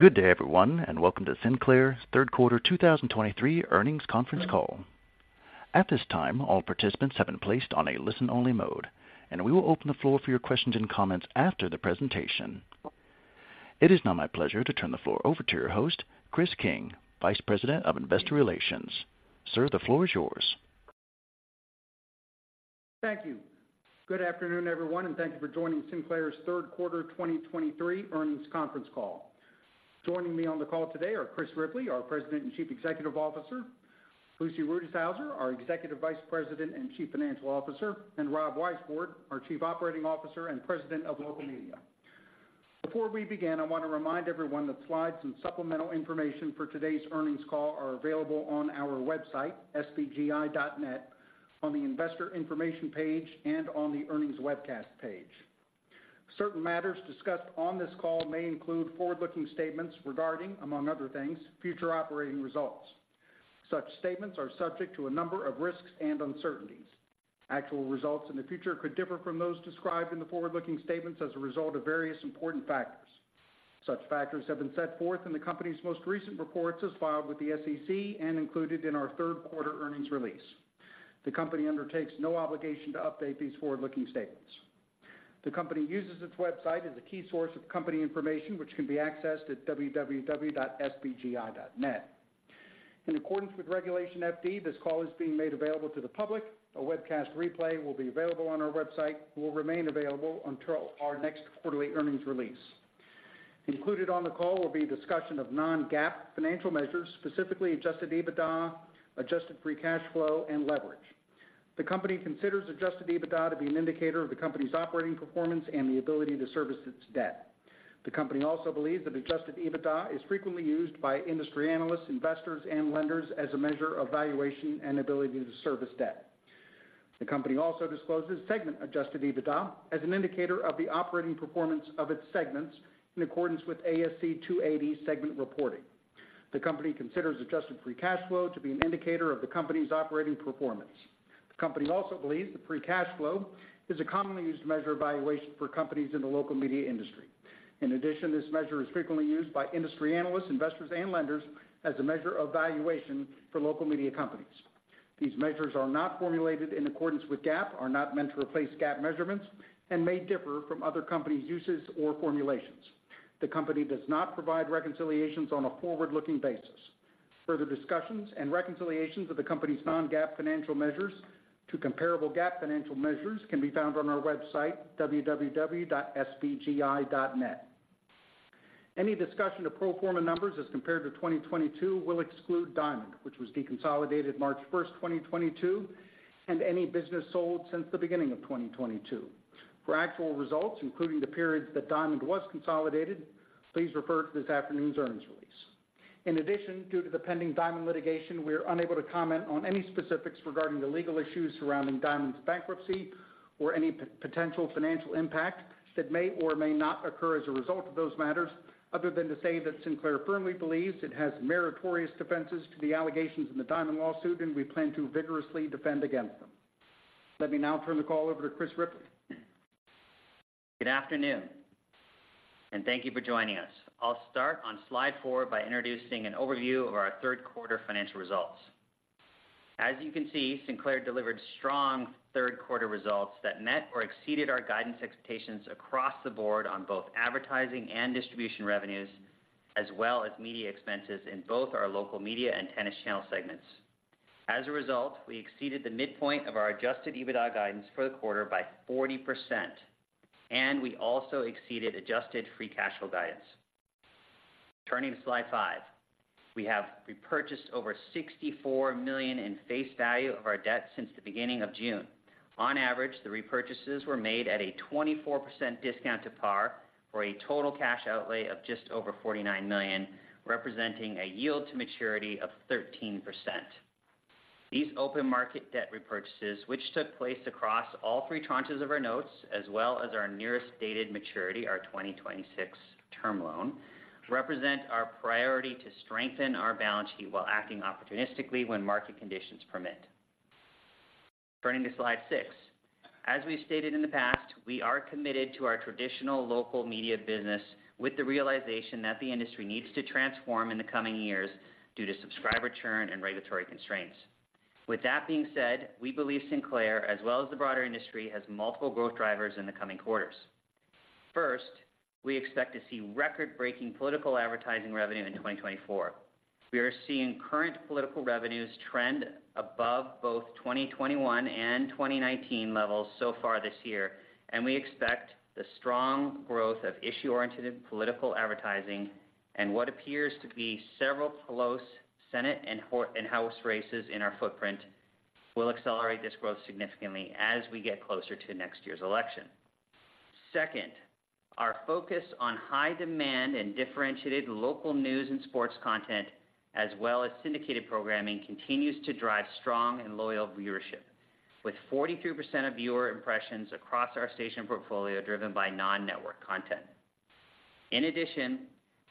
Good day, everyone, and welcome to Sinclair's Third Quarter 2023 Earnings Conference Call. At this time, all participants have been placed on a listen-only mode, and we will open the floor for your questions and comments after the presentation. It is now my pleasure to turn the floor over to your host, Chris King, Vice President of Investor Relations. Sir, the floor is yours. Thank you. Good afternoon, everyone, and thank you for joining Sinclair's Third Quarter 2023 Earnings conference call. Joining me on the call today are Chris Ripley, our President and Chief Executive Officer, Lucy Rutishauser, our Executive Vice President and Chief Financial Officer, and Rob Weisbord, our Chief Operating Officer and President of Local Media. Before we begin, I want to remind everyone that slides and supplemental information for today's earnings call are available on our website, sbgi.net, on the Investor Information page and on the Earnings Webcast page. Certain matters discussed on this call may include forward-looking statements regarding, among other things, future operating results. Such statements are subject to a number of risks and uncertainties. Actual results in the future could differ from those described in the forward-looking statements as a result of various important factors. Such factors have been set forth in the company's most recent reports as filed with the SEC and included in our third quarter earnings release. The company undertakes no obligation to update these forward-looking statements. The company uses its website as a key source of company information, which can be accessed at www.sbgi.net. In accordance with Regulation FD, this call is being made available to the public. A webcast replay will be available on our website, will remain available until our next quarterly earnings release. Included on the call will be a discussion of non-GAAP financial measures, specifically Adjusted EBITDA, Adjusted Free Cash Flow, and leverage. The company considers Adjusted EBITDA to be an indicator of the company's operating performance and the ability to service its debt. The company also believes that adjusted EBITDA is frequently used by industry analysts, investors, and lenders as a measure of valuation and ability to service debt. The company also discloses segment adjusted EBITDA as an indicator of the operating performance of its segments in accordance with ASC 280 segment reporting. The company considers adjusted free cash flow to be an indicator of the company's operating performance. The company also believes the free cash flow is a commonly used measure of valuation for companies in the local media industry. In addition, this measure is frequently used by industry analysts, investors, and lenders as a measure of valuation for local media companies. These measures are not formulated in accordance with GAAP, are not meant to replace GAAP measurements, and may differ from other companies' uses or formulations. The company does not provide reconciliations on a forward-looking basis. Further discussions and reconciliations of the company's non-GAAP financial measures to comparable GAAP financial measures can be found on our website, www.sbgi.net. Any discussion of pro forma numbers as compared to 2022 will exclude Diamond, which was deconsolidated March 1, 2022, and any business sold since the beginning of 2022. For actual results, including the periods that Diamond was consolidated, please refer to this afternoon's earnings release. In addition, due to the pending Diamond litigation, we are unable to comment on any specifics regarding the legal issues surrounding Diamond's bankruptcy or any potential financial impact that may or may not occur as a result of those matters, other than to say that Sinclair firmly believes it has meritorious defenses to the allegations in the Diamond lawsuit, and we plan to vigorously defend against them. Let me now turn the call over to Chris Ripley. Good afternoon, and thank you for joining us. I'll start on slide four by introducing an overview of our third quarter financial results. As you can see, Sinclair delivered strong third quarter results that met or exceeded our guidance expectations across the board on both advertising and distribution revenues, as well as media expenses in both our Local Media and Tennis Channel segments. As a result, we exceeded the midpoint of our adjusted EBITDA guidance for the quarter by 40%, and we also exceeded adjusted free cash flow guidance. Turning to slide five. We have repurchased over $64 million in face value of our debt since the beginning of June. On average, the repurchases were made at a 24% discount to par, for a total cash outlay of just over $49 million, representing a yield to maturity of 13%. These open market debt repurchases, which took place across all three tranches of our notes, as well as our nearest dated maturity, our 2026 term loan, represent our priority to strengthen our balance sheet while acting opportunistically when market conditions permit. Turning to slide six. As we've stated in the past, we are committed to our traditional local media business with the realization that the industry needs to transform in the coming years due to subscriber churn and regulatory constraints. With that being said, we believe Sinclair, as well as the broader industry, has multiple growth drivers in the coming quarters. First, we expect to see record-breaking political advertising revenue in 2024. We are seeing current political revenues trend above both 2021 and 2019 levels so far this year, and we expect the strong growth of issue-oriented political advertising and what appears to be several close Senate and House races in our footprint, will accelerate this growth significantly as we get closer to next year's election. Second, our focus on high demand and differentiated local news and sports content, as well as syndicated programming, continues to drive strong and loyal viewership, with 43% of viewer impressions across our station portfolio driven by non-network content. In addition,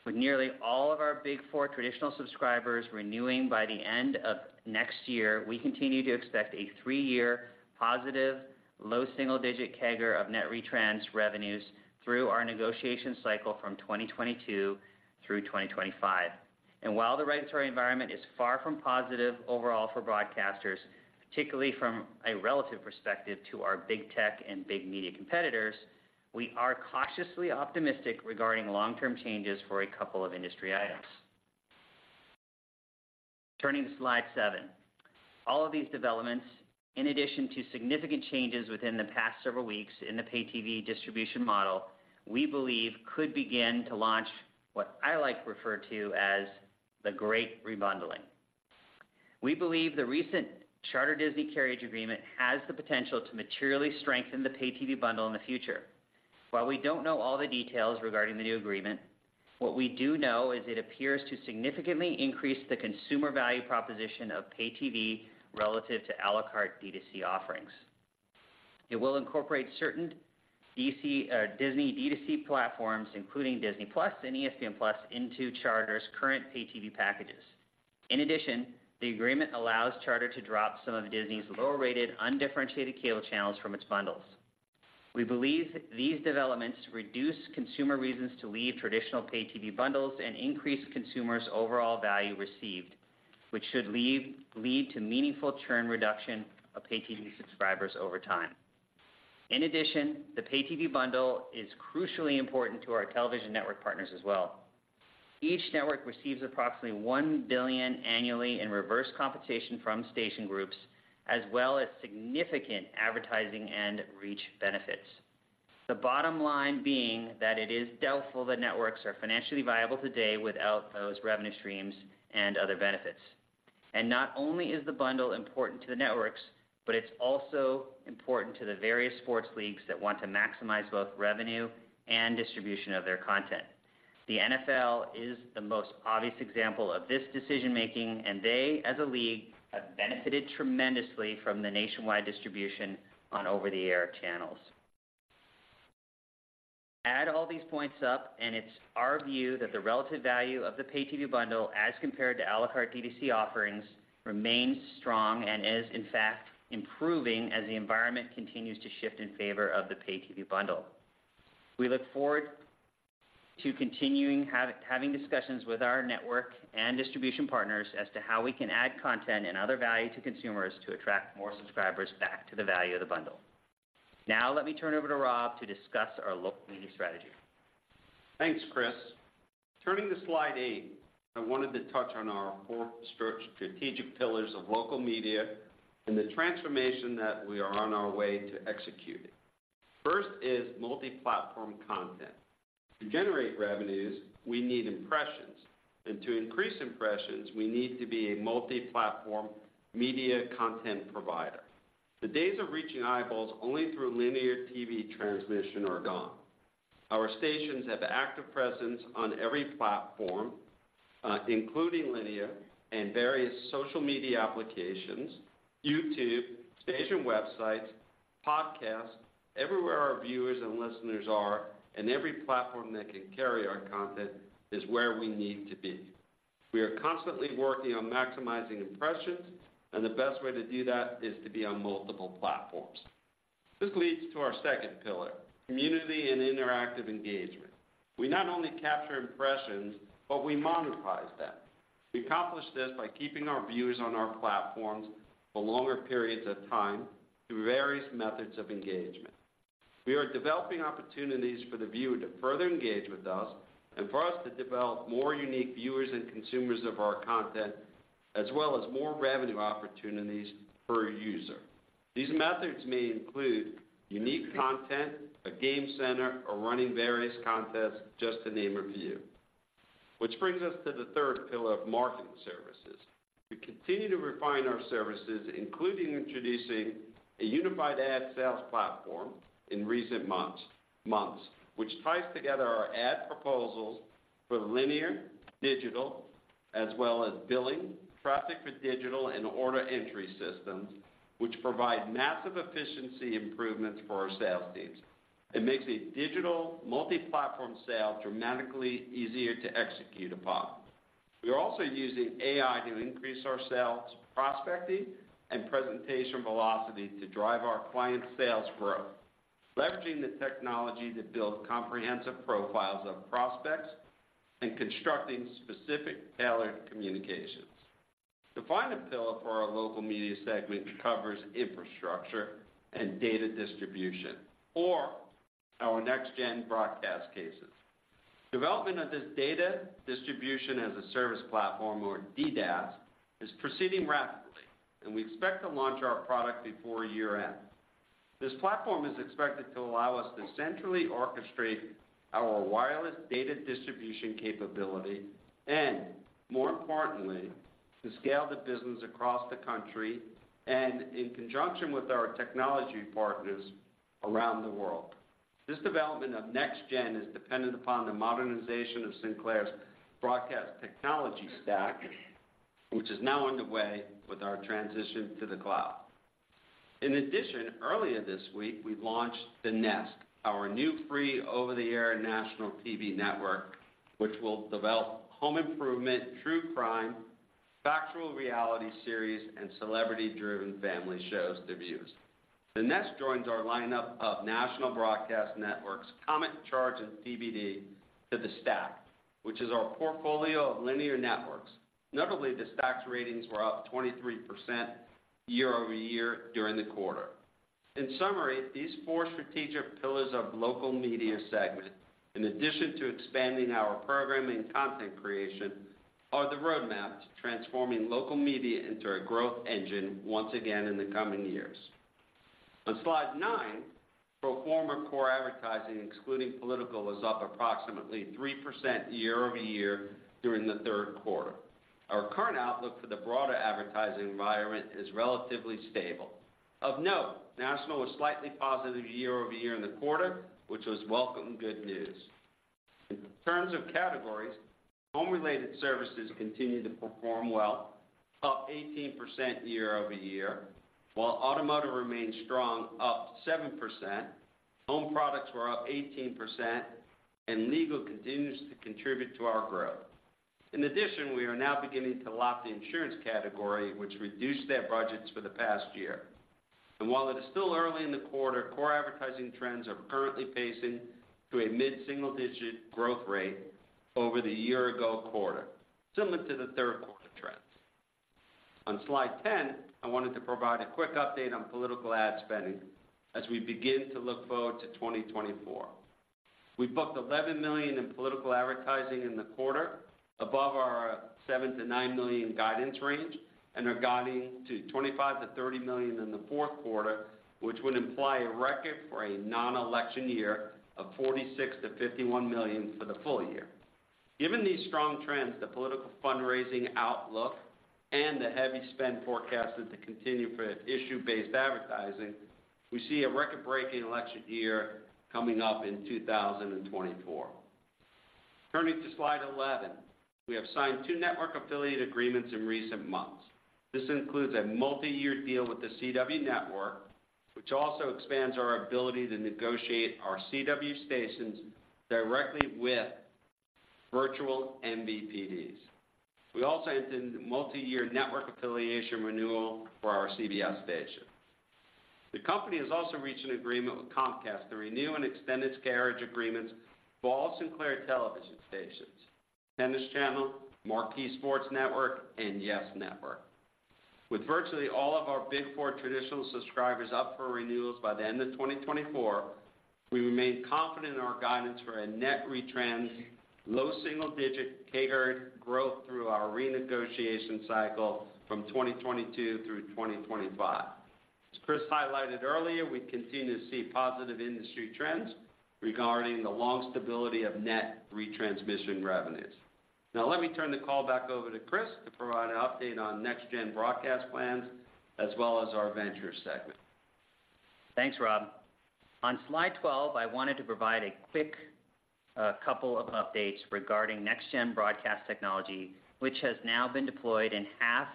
with nearly all of our Big Four traditional subscribers renewing by the end of next year, we continue to expect a three year positive, low single-digit CAGR of net retrans revenues through our negotiation cycle from 2022 through 2025. While the regulatory environment is far from positive overall for broadcasters, particularly from a relative perspective to our big tech and big media competitors, we are cautiously optimistic regarding long-term changes for a couple of industry items. Turning to slide seven. All of these developments, in addition to significant changes within the past several weeks in the pay TV distribution model, we believe could begin to launch what I like to refer to as the Great Rebundling. We believe the recent Charter-Disney carriage agreement has the potential to materially strengthen the pay TV bundle in the future. While we don't know all the details regarding the new agreement, what we do know is it appears to significantly increase the consumer value proposition of pay TV relative to à la carte D2C offerings. It will incorporate certain D2C Disney D2C platforms, including Disney+ and ESPN+ into Charter's current pay TV packages. In addition, the agreement allows Charter to drop some of Disney's lower-rated, undifferentiated cable channels from its bundles. We believe these developments reduce consumer reasons to leave traditional pay TV bundles and increase consumers' overall value received, which should lead to meaningful churn reduction of pay TV subscribers over time. In addition, the pay TV bundle is crucially important to our television network partners as well. Each network receives approximately $1 billion annually in reverse compensation from station groups, as well as significant advertising and reach benefits. The bottom line being that it is doubtful the networks are financially viable today without those revenue streams and other benefits. Not only is the bundle important to the networks, but it's also important to the various sports leagues that want to maximize both revenue and distribution of their content. The NFL is the most obvious example of this decision-making, and they, as a league, have benefited tremendously from the nationwide distribution on over-the-air channels. Add all these points up, and it's our view that the relative value of the pay TV bundle as compared to a la carte D2C offerings remains strong and is, in fact, improving as the environment continues to shift in favor of the pay TV bundle. We look forward to continuing having discussions with our network and distribution partners as to how we can add content and other value to consumers to attract more subscribers back to the value of the bundle. Now, let me turn it over to Rob to discuss our local media strategy. Thanks, Chris. Turning to slide eight, I wanted to touch on our four strategic pillars of local media and the transformation that we are on our way to executing. First is multi-platform content. To generate revenues, we need impressions, and to increase impressions, we need to be a multi-platform media content provider. The days of reaching eyeballs only through linear TV transmission are gone. Our stations have active presence on every platform, including linear and various social media applications, YouTube, station websites, podcasts. Everywhere our viewers and listeners are, and every platform that can carry our content is where we need to be. We are constantly working on maximizing impressions, and the best way to do that is to be on multiple platforms. This leads to our second pillar, community and interactive engagement. We not only capture impressions, but we monetize them. We accomplish this by keeping our viewers on our platforms for longer periods of time through various methods of engagement. We are developing opportunities for the viewer to further engage with us and for us to develop more unique viewers and consumers of our content, as well as more revenue opportunities per user. These methods may include unique content, a game center, or running various contests, just to name a few. Which brings us to the third pillar of marketing services. We continue to refine our services, including introducing a unified ad sales platform in recent months, which ties together our ad proposals for linear, digital, as well as billing, traffic for digital and order entry systems, which provide massive efficiency improvements for our sales teams. It makes a digital multi-platform sale dramatically easier to execute upon. We are also using AI to increase our sales, prospecting, and presentation velocity to drive our client sales growth, leveraging the technology to build comprehensive profiles of prospects and constructing specific tailored communications. The final pillar for our local media segment covers infrastructure and data distribution, or our NextGen broadcast cases. Development of this data distribution as a service platform, or DDAS, is proceeding rapidly, and we expect to launch our product before year-end. This platform is expected to allow us to centrally orchestrate our wireless data distribution capability, and more importantly, to scale the business across the country and in conjunction with our technology partners around the world. This development of NextGen is dependent upon the modernization of Sinclair's broadcast technology stack, which is now underway with our transition to the cloud. In addition, earlier this week, we launched The Nest, our new free over-the-air national TV network, which will develop home improvement, true crime, factual reality series, and celebrity-driven family shows debuts. The Nest joins our lineup of national broadcast networks, Comet, CHARGE! and TBD to the Stack, which is our portfolio of linear networks. Notably, the Stack's ratings were up 23% year-over-year during the quarter. In summary, these four strategic pillars of local media segment, in addition to expanding our programming content creation, are the roadmap to transforming local media into a growth engine once again in the coming years. On Slide nine, pro forma core advertising, excluding political, was up approximately 3% year-over-year during the third quarter. Our current outlook for the broader advertising environment is relatively stable. Of note, national was slightly positive year-over-year in the quarter, which was welcome good news. In terms of categories, home-related services continued to perform well, up 18% year-over-year, while automotive remained strong, up 7%. Home products were up 18%, and legal continues to contribute to our growth. In addition, we are now beginning to lap the insurance category, which reduced their budgets for the past year. And while it is still early in the quarter, core advertising trends are currently pacing to a mid-single-digit growth rate over the year-ago quarter, similar to the third quarter trends. On Slide 10, I wanted to provide a quick update on political ad spending as we begin to look forward to 2024. We booked $11 million in political advertising in the quarter, above our $7-$9 million guidance range, and are guiding to $25-$30 million in the fourth quarter, which would imply a record for a non-election year of $46-$51 million for the full year. Given these strong trends, the political fundraising outlook and the heavy spend forecasted to continue for issue-based advertising, we see a record-breaking election year coming up in 2024. Turning to Slide 11, we have signed two network affiliate agreements in recent months. This includes a multiyear deal with The CW Network, which also expands our ability to negotiate our CW stations directly with virtual MVPDs. We also entered into multiyear network affiliation renewal for our CBS station. The company has also reached an agreement with Comcast to renew and extend its carriage agreements for all Sinclair television stations, Tennis Channel, Marquee Sports Network, and YES Network. With virtually all of our Big Four traditional subscribers up for renewals by the end of 2024, we remain confident in our guidance for a net retrans low single digit carriage growth through our renegotiation cycle from 2022 through 2025. As Chris highlighted earlier, we continue to see positive industry trends regarding the long stability of net retransmission revenues. Now, let me turn the call back over to Chris to provide an update on NextGen broadcast plans, as well as our venture segment. Thanks, Rob. On Slide 12, I wanted to provide a quick couple of updates regarding NextGen broadcast technology, which has now been deployed in half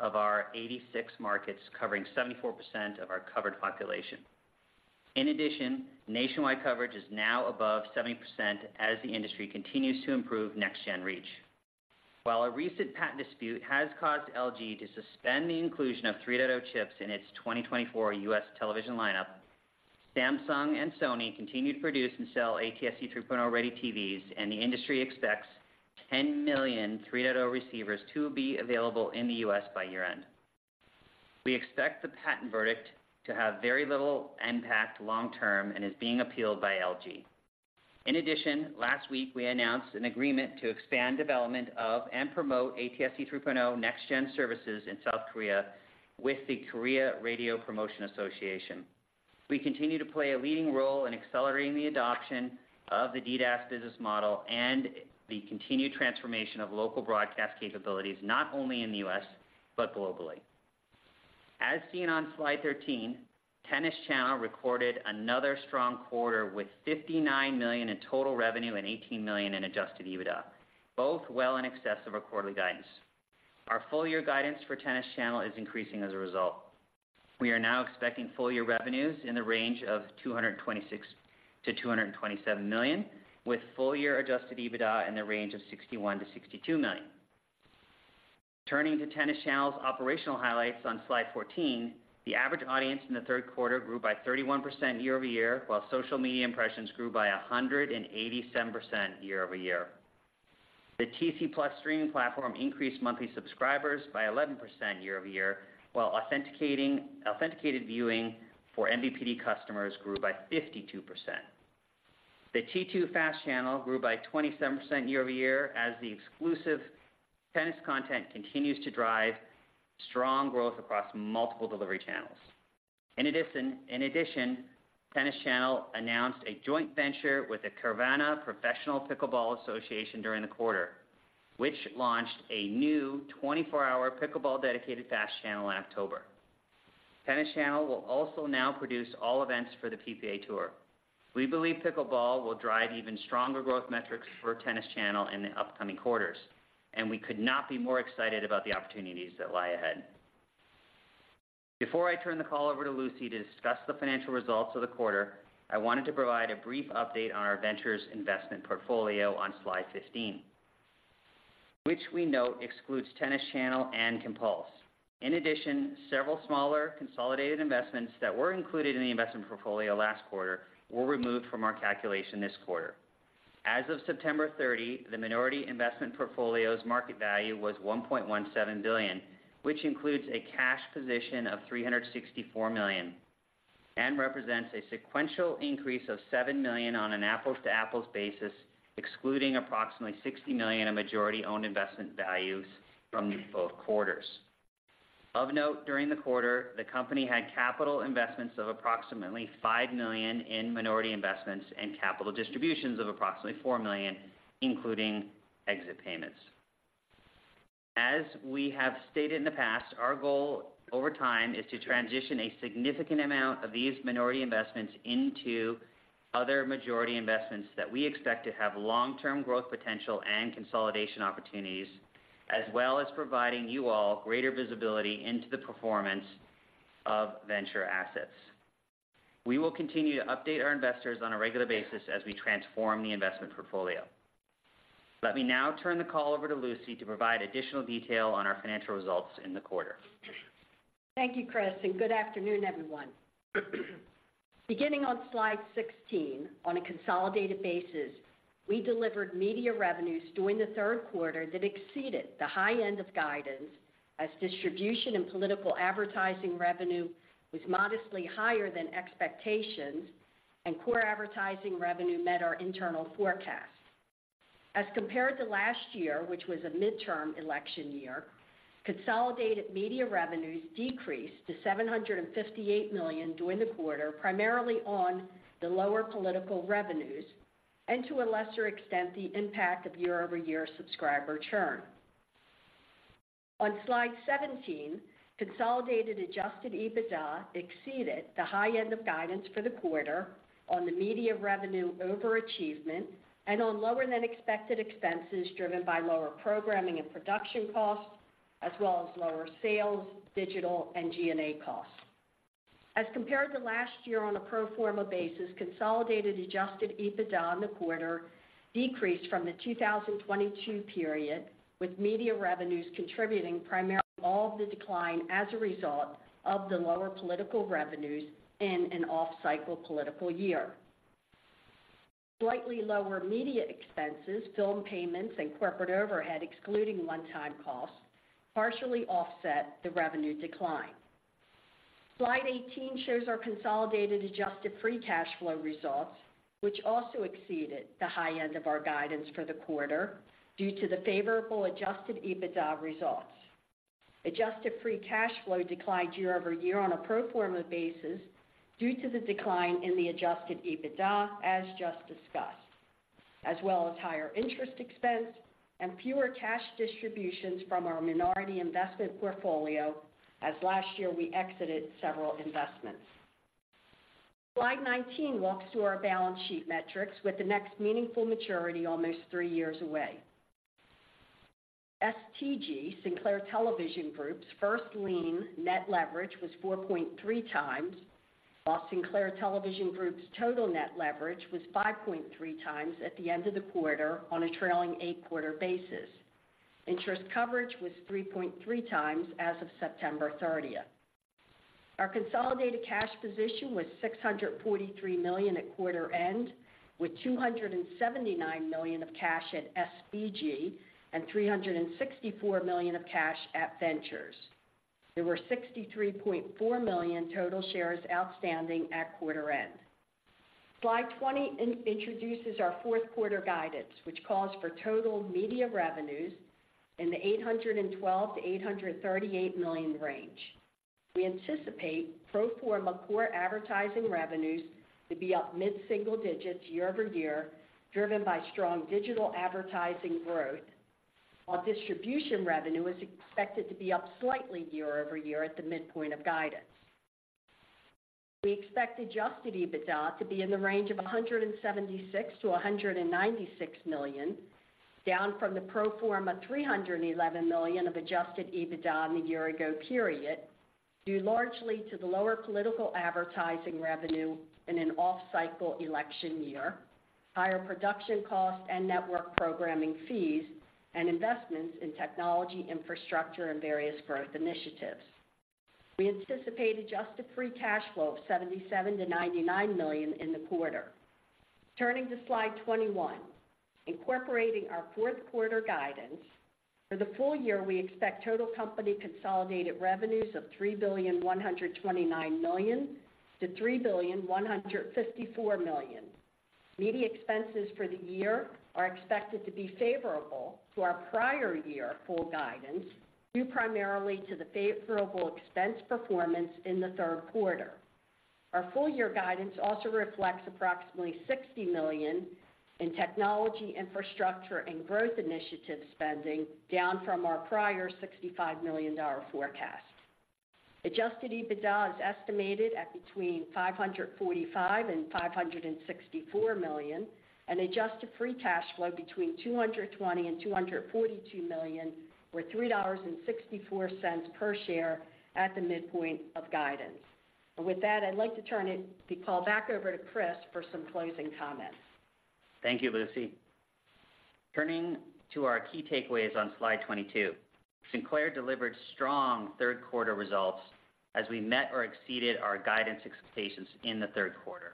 of our 86 markets, covering 74% of our covered population. In addition, nationwide coverage is now above 70% as the industry continues to improve NextGen reach. While a recent patent dispute has caused LG to suspend the inclusion of 3.0 chips in its 2024 U.S. television lineup, Samsung and Sony continue to produce and sell ATSC 3.0-ready TVs, and the industry expects 10 million 3.0 receivers to be available in the U.S. by year-end. We expect the patent verdict to have very little impact long term and is being appealed by LG. In addition, last week, we announced an agreement to expand development of and promote ATSC 3.0 NextGen services in South Korea with the Korea Radio Promotion Association. We continue to play a leading role in accelerating the adoption of the DDAS business model and the continued transformation of local broadcast capabilities, not only in the U.S., but globally. As seen on Slide 13, Tennis Channel recorded another strong quarter with $59 million in total revenue and $18 million in Adjusted EBITDA, both well in excess of our quarterly guidance. Our full year guidance for Tennis Channel is increasing as a result. We are now expecting full year revenues in the range of $226 million-$227 million, with full year Adjusted EBITDA in the range of $61 million-$62 million. Turning to Tennis Channel's operational highlights on Slide 14, the average audience in the third quarter grew by 31% year-over-year, while social media impressions grew by 187% year-over-year. The TC+ streaming platform increased monthly subscribers by 11% year-over-year, while authenticated viewing for MVPD customers grew by 52%. The T2 FAST channel grew by 27% year-over-year, as the exclusive tennis content continues to drive strong growth across multiple delivery channels. In addition, Tennis Channel announced a joint venture with the Carvana Professional Pickleball Association during the quarter, which launched a new 24-hour pickleball dedicated FAST channel in October. Tennis Channel will also now produce all events for the PPA Tour. We believe pickleball will drive even stronger growth metrics for Tennis Channel in the upcoming quarters, and we could not be more excited about the opportunities that lie ahead. Before I turn the call over to Lucy to discuss the financial results of the quarter, I wanted to provide a brief update on our ventures investment portfolio on slide 15, which we note excludes Tennis Channel and Compulse. In addition, several smaller consolidated investments that were included in the investment portfolio last quarter were removed from our calculation this quarter. As of September 30, the minority investment portfolio's market value was $1.17 billion, which includes a cash position of $364 million, and represents a sequential increase of $7 million on an apples-to-apples basis, excluding approximately $60 million of majority-owned investment values from both quarters. Of note, during the quarter, the company had capital investments of approximately $5 million in minority investments and capital distributions of approximately $4 million, including exit payments. As we have stated in the past, our goal over time is to transition a significant amount of these minority investments into other majority investments that we expect to have long-term growth potential and consolidation opportunities, as well as providing you all greater visibility into the performance of venture assets. We will continue to update our investors on a regular basis as we transform the investment portfolio. Let me now turn the call over to Lucy to provide additional detail on our financial results in the quarter. Thank you, Chris, and good afternoon, everyone. Beginning on slide 16, on a consolidated basis, we delivered media revenues during the third quarter that exceeded the high end of guidance, as distribution and political advertising revenue was modestly higher than expectations, and core advertising revenue met our internal forecast. As compared to last year, which was a midterm election year, consolidated media revenues decreased to $758 million during the quarter, primarily on the lower political revenues and, to a lesser extent, the impact of year-over-year subscriber churn. On slide 17, consolidated adjusted EBITDA exceeded the high end of guidance for the quarter on the media revenue overachievement and on lower-than-expected expenses, driven by lower programming and production costs, as well as lower sales, digital and G&A costs. As compared to last year on a pro forma basis, consolidated adjusted EBITDA in the quarter decreased from the 2022 period, with media revenues contributing primarily all of the decline as a result of the lower political revenues in an off-cycle political year. Slightly lower media expenses, film payments and corporate overhead, excluding one-time costs, partially offset the revenue decline. Slide 18 shows our consolidated adjusted free cash flow results, which also exceeded the high end of our guidance for the quarter due to the favorable adjusted EBITDA results. Adjusted free cash flow declined year-over-year on a pro forma basis due to the decline in the adjusted EBITDA, as just discussed, as well as higher interest expense and fewer cash distributions from our minority investment portfolio, as last year we exited several investments. Slide 19 walks through our balance sheet metrics with the next meaningful maturity almost three years away. STG, Sinclair Television Group's first lien net leverage was 4.3x, while Sinclair Television Group's total net leverage was 5.3x at the end of the quarter on a trailing eight quarter basis. Interest coverage was 3.3x as of September thirtieth. Our consolidated cash position was $643 million at quarter end, with $279 million of cash at STG and $364 million of cash at Ventures. There were 63.4 million total shares outstanding at quarter end. Slide 20 introduces our fourth quarter guidance, which calls for total media revenues in the $812 million-$838 million range. We anticipate pro forma core advertising revenues to be up mid-single digits year-over-year, driven by strong digital advertising growth, while distribution revenue is expected to be up slightly year-over-year at the midpoint of guidance. We expect Adjusted EBITDA to be in the range of $176 million-$196 million, down from the pro forma $311 million of Adjusted EBITDA in the year-ago period, due largely to the lower political advertising revenue in an off-cycle election year, higher production costs and network programming fees, and investments in technology, infrastructure and various growth initiatives. We anticipate adjusted free cash flow of $77 million-$99 million in the quarter. Turning to slide 21, incorporating our fourth quarter guidance, for the full year, we expect total company consolidated revenues of $3.129 billion-$3.154 billion. Media expenses for the year are expected to be favorable to our prior year full guidance, due primarily to the favorable expense performance in the third quarter. Our full year guidance also reflects approximately $60 million in technology, infrastructure and growth initiative spending, down from our prior $65 million forecast.... Adjusted EBITDA is estimated at between $545 million and $564 million, and adjusted free cash flow between $220 million and $242 million, or $3.64 per share at the midpoint of guidance. And with that, I'd like to turn it, the call back over to Chris for some closing comments. Thank you, Lucy. Turning to our key takeaways on slide 22. Sinclair delivered strong third quarter results as we met or exceeded our guidance expectations in the third quarter.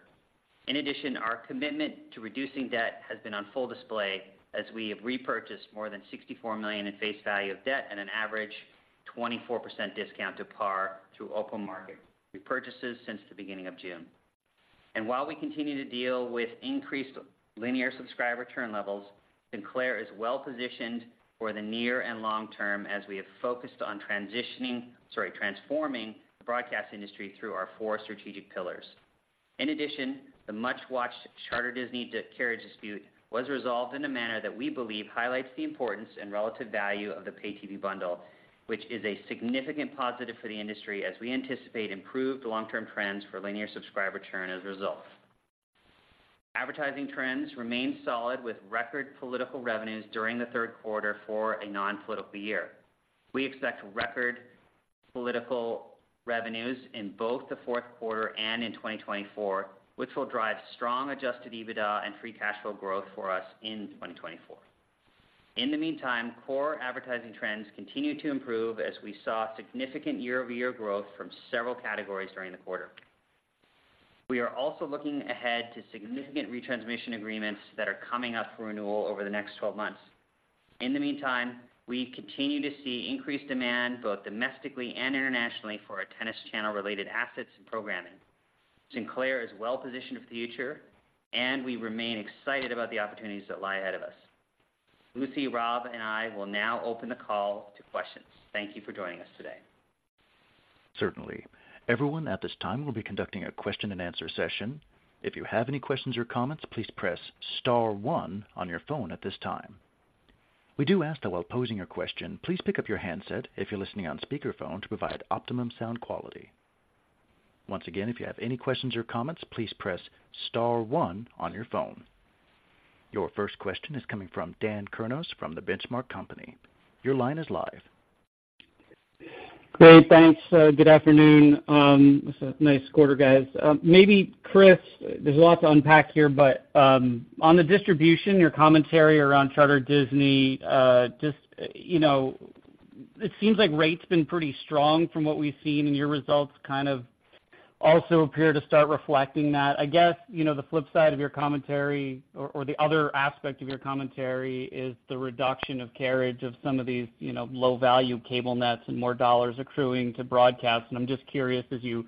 In addition, our commitment to reducing debt has been on full display as we have repurchased more than $64 million in face value of debt at an average 24% discount to par through open market repurchases since the beginning of June. And while we continue to deal with increased linear subscriber churn levels, Sinclair is well positioned for the near and long term as we have focused on transitioning, sorry, transforming the broadcast industry through our four strategic pillars. In addition, the much-watched Charter-Disney carriage dispute was resolved in a manner that we believe highlights the importance and relative value of the pay TV bundle, which is a significant positive for the industry as we anticipate improved long-term trends for linear subscriber churn as a result. Advertising trends remain solid, with record political revenues during the third quarter for a non-political year. We expect record political revenues in both the fourth quarter and in 2024, which will drive strong adjusted EBITDA and free cash flow growth for us in 2024. In the meantime, core advertising trends continue to improve as we saw significant year-over-year growth from several categories during the quarter. We are also looking ahead to significant retransmission agreements that are coming up for renewal over the next 12 months. In the meantime, we continue to see increased demand, both domestically and internationally, for our Tennis Channel-related assets and programming. Sinclair is well positioned for the future, and we remain excited about the opportunities that lie ahead of us. Lucy, Rob, and I will now open the call to questions. Thank you for joining us today. Certainly. Everyone, at this time, we'll be conducting a question-and-answer session. If you have any questions or comments, please press star one on your phone at this time. We do ask that while posing your question, please pick up your handset if you're listening on speakerphone, to provide optimum sound quality. Once again, if you have any questions or comments, please press star one on your phone. Your first question is coming from Dan Kurnos from The Benchmark Company. Your line is live. Great, thanks. Good afternoon. It's a nice quarter, guys. Maybe, Chris, there's a lot to unpack here, but on the distribution, your commentary around Charter-Disney, just, you know, it seems like rate's been pretty strong from what we've seen, and your results kind of also appear to start reflecting that. I guess, you know, the flip side of your commentary or the other aspect of your commentary is the reduction of carriage of some of these, you know, low-value cable nets and more dollars accruing to broadcast. And I'm just curious, as you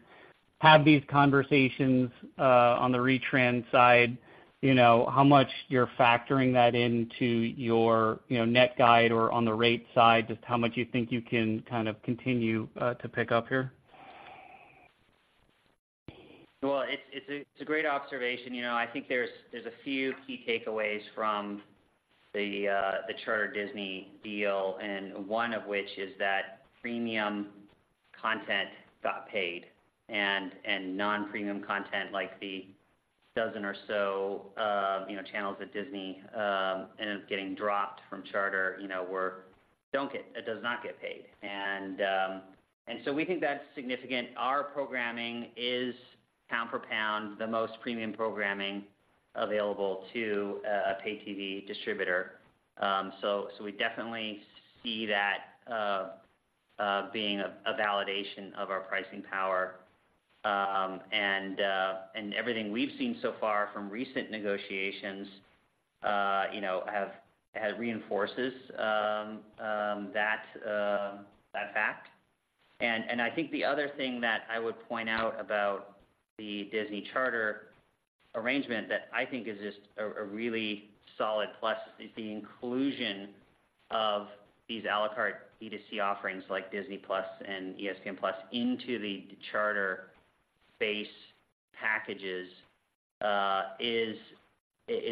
have these conversations on the retrans side, you know, how much you're factoring that into your, you know, net guide or on the rate side, just how much you think you can kind of continue to pick up here? Well, it's a great observation. You know, I think there's a few key takeaways from the Charter-Disney deal, and one of which is that premium content got paid, and non-premium content, like the dozen or so, you know, channels at Disney, is getting dropped from Charter, you know, it does not get paid. So we think that's significant. Our programming is, pound for pound, the most premium programming available to a pay TV distributor. So, we definitely see that being a validation of our pricing power. And everything we've seen so far from recent negotiations, you know, has reinforced that fact. I think the other thing that I would point out about the Disney-Charter arrangement that I think is just a really solid plus is the inclusion of these a la carte DTC offerings like Disney+ and ESPN+ into the Charter base packages is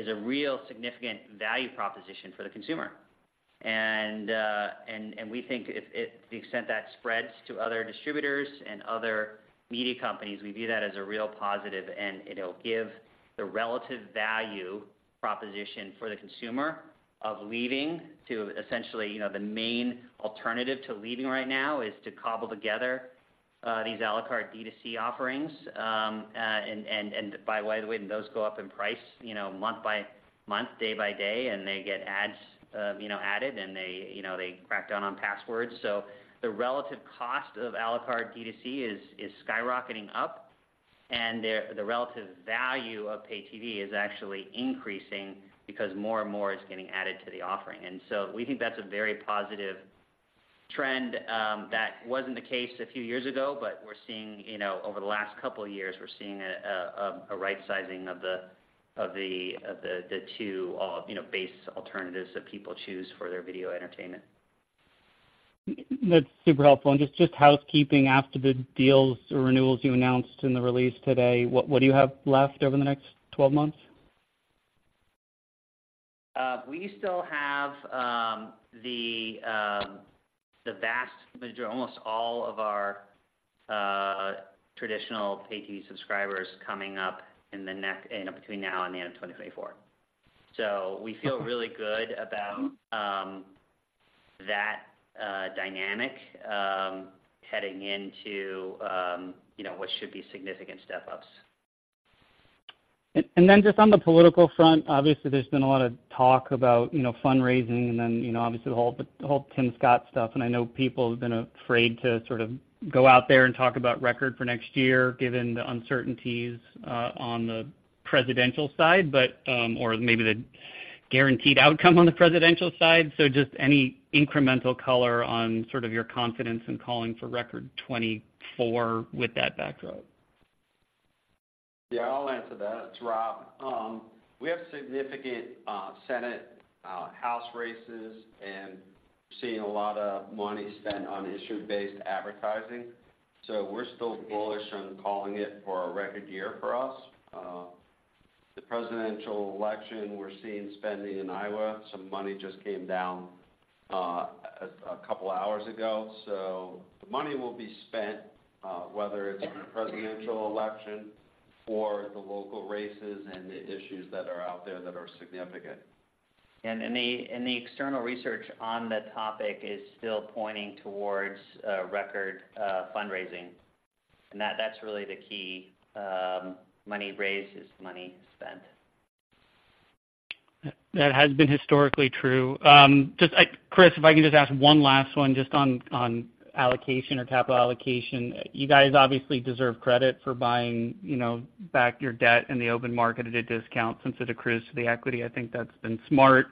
a real significant value proposition for the consumer. And we think to the extent that spreads to other distributors and other media companies, we view that as a real positive, and it'll give the relative value proposition for the consumer of leaving to essentially, you know, the main alternative to leaving right now is to cobble together these a la carte DTC offerings. By the way, those go up in price, you know, month by month, day by day, and they get ads, you know, added, and they, you know, they crack down on passwords. So the relative cost of à la carte DTC is skyrocketing up, and the relative value of pay TV is actually increasing because more and more is getting added to the offering. And so we think that's a very positive trend, that wasn't the case a few years ago, but we're seeing, you know, over the last couple of years, we're seeing a right sizing of the two, you know, base alternatives that people choose for their video entertainment. That's super helpful. Just housekeeping, after the deals or renewals you announced in the release today, what do you have left over the next 12 months?... we still have the vast majority, almost all of our traditional pay TV subscribers coming up in between now and the end of 2024. So we feel really good about that dynamic heading into, you know, what should be significant step-ups. and then just on the political front, obviously, there's been a lot of talk about, you know, fundraising and then, you know, obviously, the whole Tim Scott stuff. And I know people have been afraid to sort of go out there and talk about record for next year, given the uncertainties on the presidential side, but, or maybe the guaranteed outcome on the presidential side. So just any incremental color on sort of your confidence in calling for record 2024 with that backdrop? Yeah, I'll answer that. It's Rob. We have significant Senate, House races, and seeing a lot of money spent on issue-based advertising. So we're still bullish on calling it for a record year for us. The presidential election, we're seeing spending in Iowa. Some money just came down, a couple of hours ago. So the money will be spent, whether it's in the presidential election or the local races and the issues that are out there that are significant. The external research on the topic is still pointing towards record fundraising. And that's really the key. Money raised is money spent. That has been historically true. Just, Chris, if I can just ask one last one just on, on allocation or capital allocation. You guys obviously deserve credit for buying, you know, back your debt in the open market at a discount since it accrues to the equity. I think that's been smart.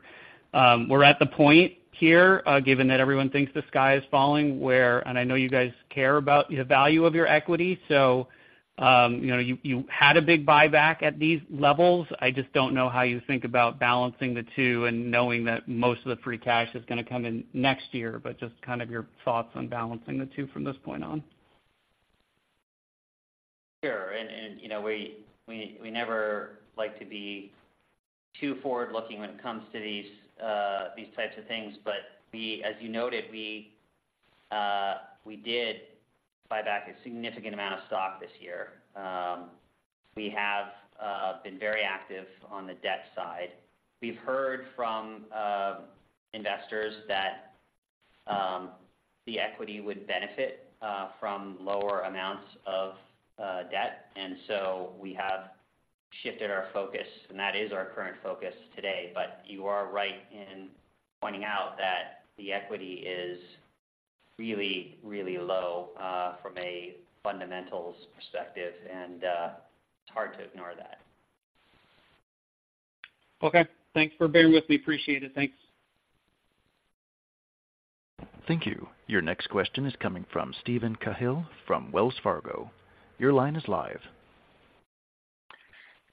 We're at the point here, given that everyone thinks the sky is falling, where... And I know you guys care about the value of your equity, so, you know, you, you had a big buyback at these levels. I just don't know how you think about balancing the two and knowing that most of the free cash is gonna come in next year. But just kind of your thoughts on balancing the two from this point on. Sure. You know, we never like to be too forward-looking when it comes to these types of things. But as you noted, we did buy back a significant amount of stock this year. We have been very active on the debt side. We've heard from investors that the equity would benefit from lower amounts of debt, and so we have shifted our focus, and that is our current focus today. But you are right in pointing out that the equity is really, really low from a fundamentals perspective, and it's hard to ignore that. Okay. Thanks for bearing with me. Appreciate it. Thanks. Thank you. Your next question is coming from Steven Cahall from Wells Fargo. Your line is live.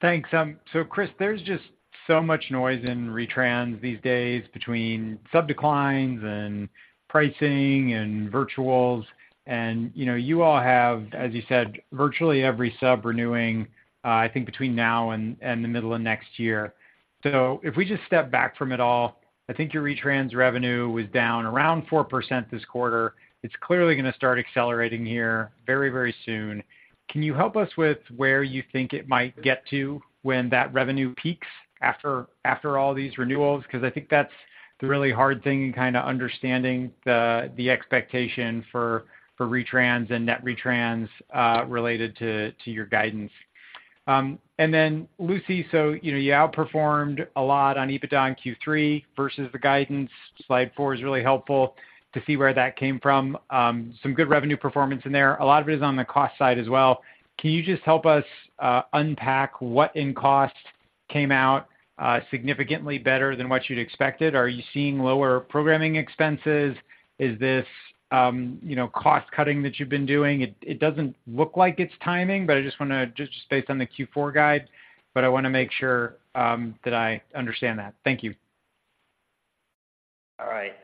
Thanks. So Chris, there's just so much noise in retrans these days between sub declines and pricing and virtuals. And, you know, you all have, as you said, virtually every sub renewing, I think between now and the middle of next year. So if we just step back from it all, I think your retrans revenue was down around 4% this quarter. It's clearly gonna start accelerating here very, very soon. Can you help us with where you think it might get to when that revenue peaks after all these renewals? Because I think that's the really hard thing in kind of understanding the expectation for retrans and net retrans related to your guidance. And then, Lucy, so, you know, you outperformed a lot on EBITDA in Q3 versus the guidance. Slide four is really helpful to see where that came from. Some good revenue performance in there. A lot of it is on the cost side as well. Can you just help us, unpack what in cost came out, significantly better than what you'd expected? Are you seeing lower programming expenses? Is this, you know, cost-cutting that you've been doing? It doesn't look like it's timing, but I just wanna, just based on the Q4 guide, but I wanna make sure, that I understand that. Thank you. All right,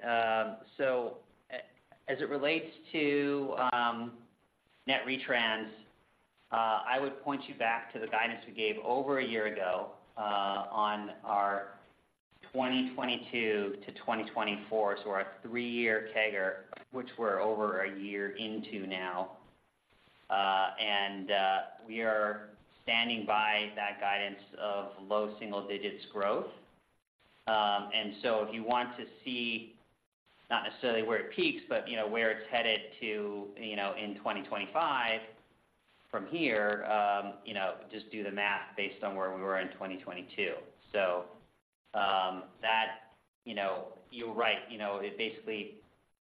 so as it relates to net retrans, I would point you back to the guidance we gave over a year ago, on our 2022 to 2024, so our three-year CAGR, which we're over a year into now. We are standing by that guidance of low single digits growth. So if you want to see, not necessarily where it peaks, but, you know, where it's headed to, you know, in 2025 from here, you know, just do the math based on where we were in 2022. So, that, you know, you're right. You know, it basically,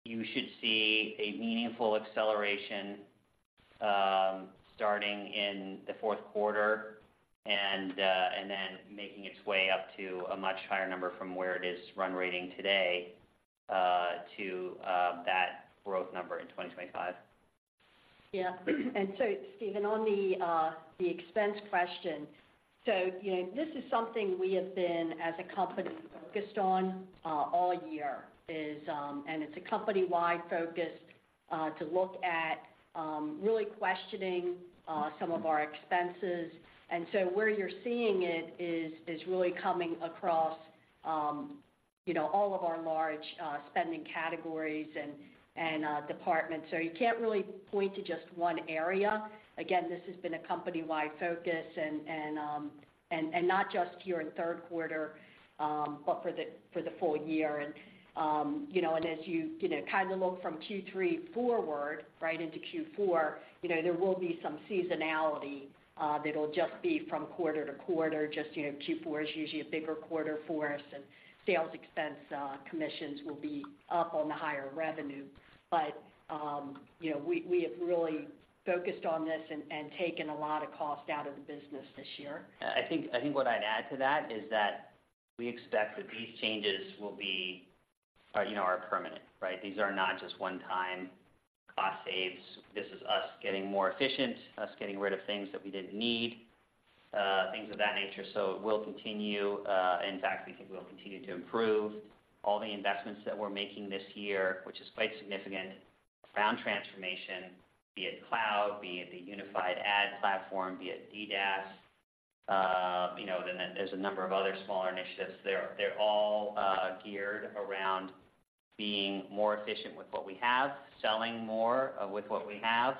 you should see a meaningful acceleration, starting in the fourth quarter and then making its way up to a much higher number from where it is run rate today, to that growth number in 2025. Yeah. And so, Steven, on the expense question, so, you know, this is something we have been, as a company, focused on.... all year is, and it's a company-wide focus, to look at, really questioning, some of our expenses. And so where you're seeing it is really coming across, you know, all of our large, spending categories and, departments. So you can't really point to just one area. Again, this has been a company-wide focus and not just here in third quarter, but for the full year. And, you know, and as you, you know, kind of look from Q3 forward, right into Q4, you know, there will be some seasonality, that'll just be from quarter to quarter. Just, you know, Q4 is usually a bigger quarter for us, and sales expense, commissions will be up on the higher revenue. But, you know, we have really focused on this and taken a lot of cost out of the business this year. I think, I think what I'd add to that is that we expect that these changes will be, you know, are permanent, right? These are not just one-time cost saves. This is us getting more efficient, us getting rid of things that we didn't need, things of that nature. So it will continue. In fact, we think we'll continue to improve all the investments that we're making this year, which is quite significant. Ground transformation, be it cloud, be it the unified ad platform, be it DDAS, you know, then there's a number of other smaller initiatives. They're, they're all, geared around being more efficient with what we have, selling more, with what we have.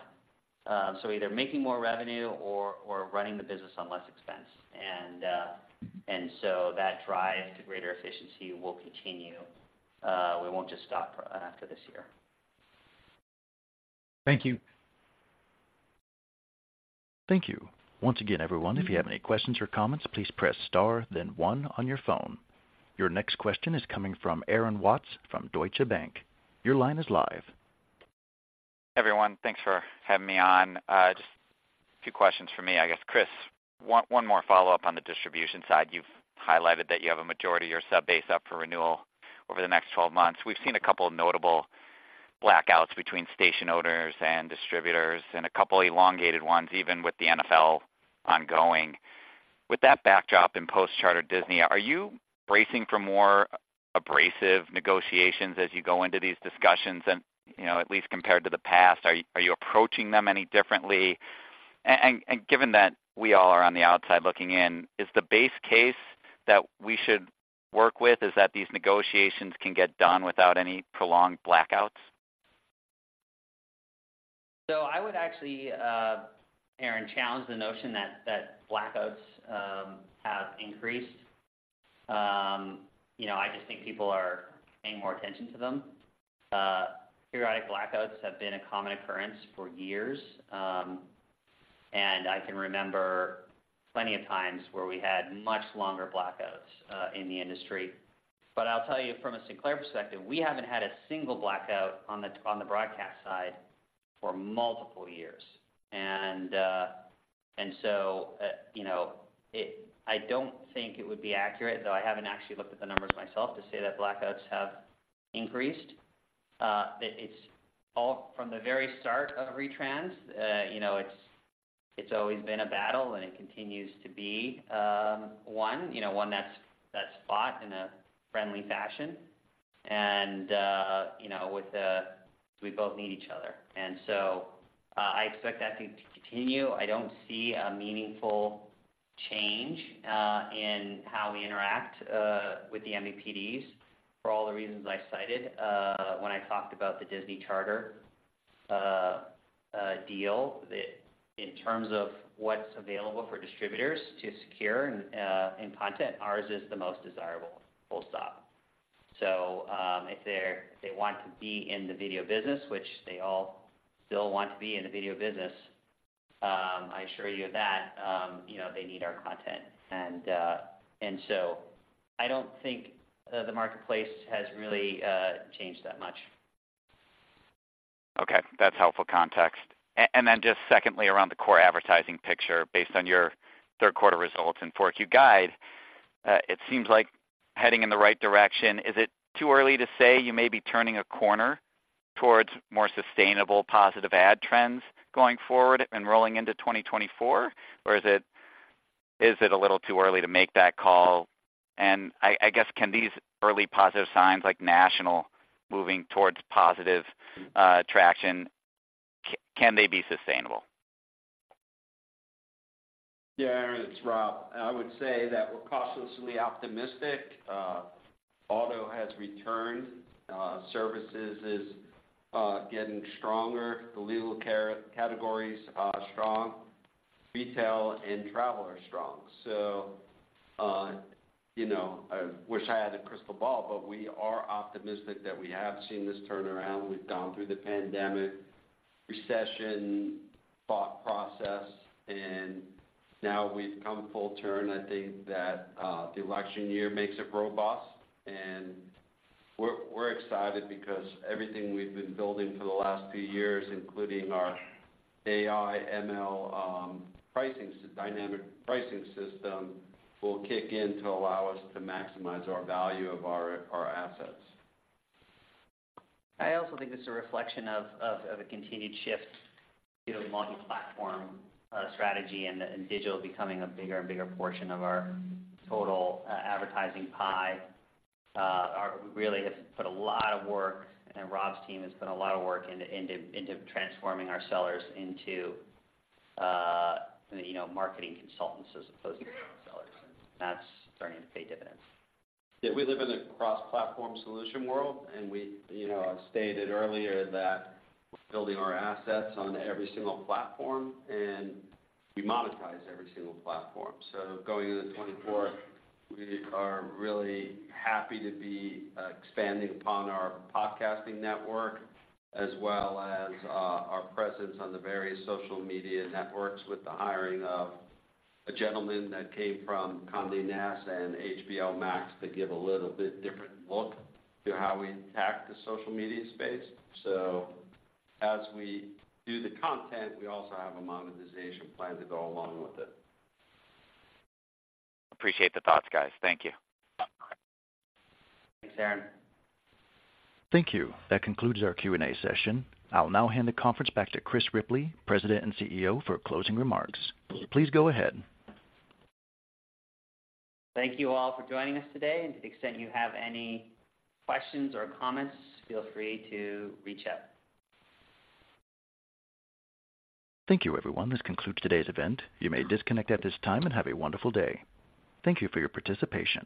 So either making more revenue or, or running the business on less expense. And, and so that drive to greater efficiency will continue. We won't just stop after this year. Thank you. Thank you. Once again, everyone, if you have any questions or comments, please press Star, then one on your phone. Your next question is coming from Aaron Watts from Deutsche Bank. Your line is live. Everyone, thanks for having me on. Just a few questions from me. I guess, Chris, one, one more follow-up on the distribution side. You've highlighted that you have a majority of your sub base up for renewal over the next 12 months. We've seen a couple of notable blackouts between station owners and distributors and a couple elongated ones, even with the NFL ongoing. With that backdrop in post-Charter Disney, are you bracing for more abrasive negotiations as you go into these discussions than, you know, at least compared to the past? Are you approaching them any differently? And given that we all are on the outside looking in, is the base case that we should work with is that these negotiations can get done without any prolonged blackouts? So I would actually, Aaron, challenge the notion that, that blackouts, have increased. You know, I just think people are paying more attention to them. Periodic blackouts have been a common occurrence for years, and I can remember plenty of times where we had much longer blackouts, in the industry. But I'll tell you from a Sinclair perspective, we haven't had a single blackout on the, on the broadcast side for multiple years. And, and so, you know, it- I don't think it would be accurate, though I haven't actually looked at the numbers myself, to say that blackouts have increased. It, it's all from the very start of retrans, you know, it's, it's always been a battle, and it continues to be, one, you know, one that's, that's fought in a friendly fashion. You know, with... We both need each other, and so I expect that to continue. I don't see a meaningful change in how we interact with the MVPDs for all the reasons I cited when I talked about the Disney Charter deal. That, in terms of what's available for distributors to secure in content, ours is the most desirable, full stop. So, if they're, they want to be in the video business, which they all still want to be in the video business, I assure you that, you know, they need our content. And, and so I don't think the marketplace has really changed that much. Okay, that's helpful context. And, and then just secondly, around the core advertising picture, based on your third quarter results and fourth Q guide, it seems like heading in the right direction. Is it too early to say you may be turning a corner towards more sustainable positive ad trends going forward and rolling into 2024? Or is it, is it a little too early to make that call? And I, I guess, can these early positive signs, like national moving towards positive traction, can they be sustainable? Yeah, it's Rob. I would say that we're cautiously optimistic. Auto has returned, services is getting stronger. The legal care categories are strong. Retail and travel are strong. So, you know, I wish I had a crystal ball, but we are optimistic that we have seen this turnaround. We've gone through the pandemic, recession, thought process, and now we've come full turn. I think that the election year makes it robust, and we're excited because everything we've been building for the last few years, including our AI, ML, dynamic pricing system, will kick in to allow us to maximize our value of our assets. I also think it's a reflection of a continued shift to a multi-platform strategy and digital becoming a bigger and bigger portion of our total advertising pie. We really have put a lot of work, and Rob's team has put a lot of work into transforming our sellers into, you know, marketing consultants as opposed to sellers, and that's starting to pay dividends. Yeah, we live in a cross-platform solution world, and we, you know, I stated earlier that we're building our assets on every single platform, and we monetize every single platform. So going into 2024, we are really happy to be expanding upon our podcasting network, as well as our presence on the various social media networks with the hiring of a gentleman that came from Condé Nast and HBO Max to give a little bit different look to how we attack the social media space. So as we do the content, we also have a monetization plan to go along with it. Appreciate the thoughts, guys. Thank you. Thanks, Aaron. Thank you. That concludes our Q&A session. I'll now hand the conference back to Chris Ripley, President and CEO, for closing remarks. Please go ahead. Thank you all for joining us today, and to the extent you have any questions or comments, feel free to reach out. Thank you, everyone. This concludes today's event. You may disconnect at this time and have a wonderful day. Thank you for your participation.